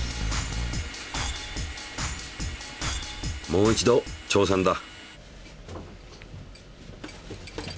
もう一度挑戦だ。